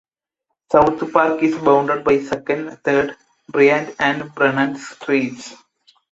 South Park is bounded by Second, Third, Bryant, and Brannan streets.